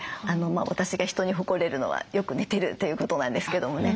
私が人に誇れるのはよく寝てるということなんですけどもね。